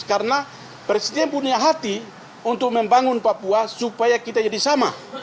karena presiden punya hati untuk membangun papua supaya kita jadi sama